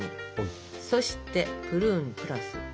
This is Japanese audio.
そしてプルーンプラス